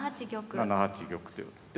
７八玉と寄って。